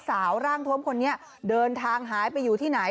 สาวร่างทวมคนนี้เดินทางหายไปอยู่ที่ไหน